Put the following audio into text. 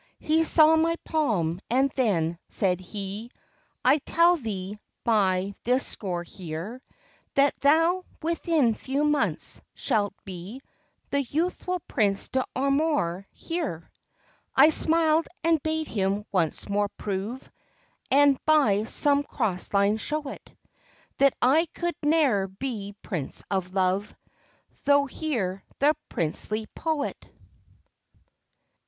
He saw my palm; and then, said he, I tell thee, by this score here, That thou, within few months, shalt be The youthful Prince D'Amour here. I smiled, and bade him once more prove, And by some cross line show it, That I could ne'er be Prince of Love, Though here the Princely Poet.